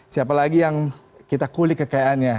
siapa lagi yang kita kulik kekayaannya